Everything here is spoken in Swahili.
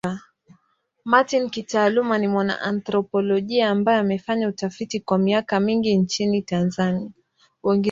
Martin kitaaluma ni mwana anthropolojia ambaye amefanya utafiti kwa miaka mingi nchini Tanzania.